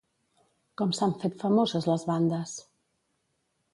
Com s'han fet famoses les bandes?